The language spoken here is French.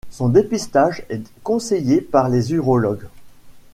Son dépistage est conseillé par les urologues.